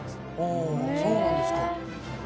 おそうなんですか。え。